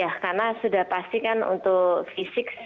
ya karena sudah pasti kan untuk fisik